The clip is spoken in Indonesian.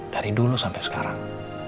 dari dulu sampai sekarang